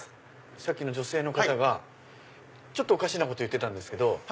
さっきの女性の方がちょっとおかしなこと言ってたんです。